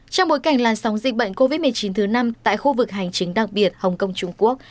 trong bối cảnh làn sóng dịch bệnh covid một mươi chín thứ năm tại khu vực hành chính đặc biệt hồng kông trung quốc